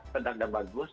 sedang dan bagus